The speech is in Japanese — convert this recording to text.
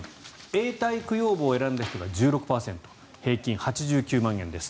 永代供養墓を選んだ人が１６％平均８９万円です。